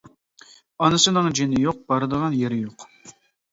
ئانىسىنىڭ جېنى يوق، بارىدىغان يېرى يوق.